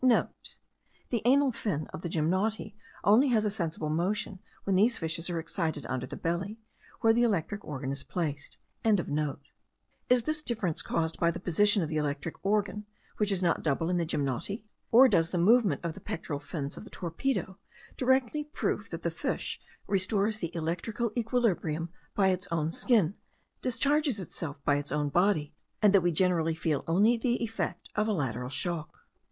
*(* The anal fin of the gymnoti only has a sensible motion when these fishes are excited under the belly, where the electric organ is placed.) Is this difference caused by the position of the electric organ, which is not double in the gymnoti? or does the movement of the pectoral fins of the torpedo directly prove that the fish restores the electrical equilibrium by its own skin, discharges itself by its own body, and that we generally feel only the effect of a lateral shock?